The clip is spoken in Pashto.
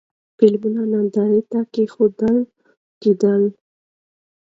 فلمونه نندارې ته کېښودل کېدل.